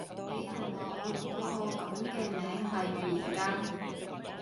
俾人話我改個噉嘅名係預言家